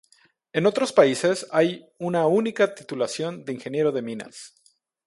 En otros países hay una única titulación de Ingeniero de Minas.